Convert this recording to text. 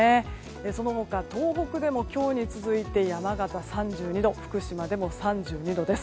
その他、東北でも今日に続いて山形３２度福島でも３２度です。